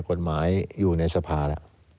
กฎหมายอยู่ในสภาแล้ว